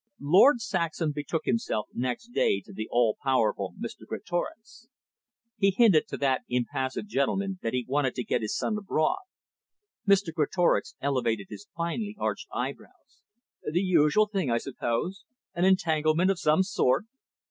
Lord Saxham betook himself next day to the all powerful Mr Greatorex. He hinted to that impassive gentleman that he wanted to get his son abroad. Mr Greatorex elevated his finely arched eyebrows. "The usual thing, I suppose? An entanglement of some sort?"